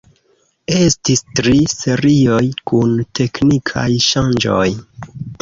Estis tri serioj kun teknikaj ŝanĝoj.